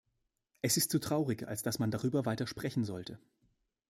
Es ist zu traurig, als dass man darüber weiter sprechen sollte.